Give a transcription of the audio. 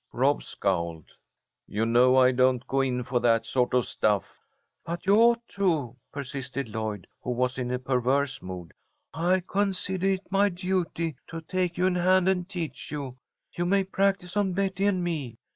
Rob scowled. "You know I don't go in for that sort of stuff." "But you ought to," persisted Lloyd, who was in a perverse mood. "I considah it my duty to take you in hand and teach you. You may practise on Betty and me.